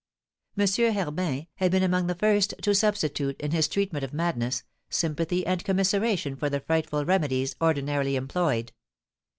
M. Herbin had been among the first to substitute, in his treatment of madness, sympathy and commiseration for the frightful remedies ordinarily employed.